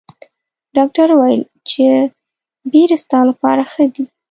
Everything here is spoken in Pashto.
ډاکټر ویل چې بیر ستا لپاره ښه دي.